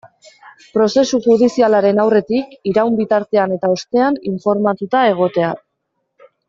Prozesu judizialaren aurretik, iraun bitartean eta ostean informatuta egotea.